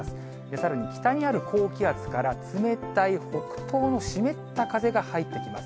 さらに北にある高気圧から、冷たい北東の湿った風が入ってきます。